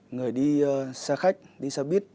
người đi xe khách đi xe buýt